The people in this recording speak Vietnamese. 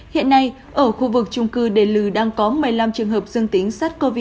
hiện nay ở khu vực trung cư đền lưu đang có một mươi năm trường hợp dương tính sát covid một mươi chín